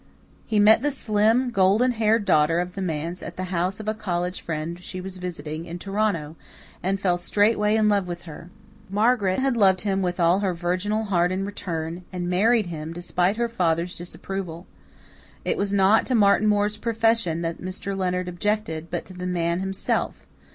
He met the slim, golden haired daughter of the manse at the house of a college friend she was visiting in Toronto, and fell straightway in love with her. Margaret had loved him with all her virginal heart in return, and married him, despite her father's disapproval. It was not to Martin Moore's profession that Mr. Leonard objected, but to the man himself.